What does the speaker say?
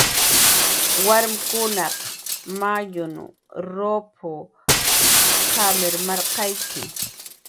warmkunaq mayun rup qamir marqayawi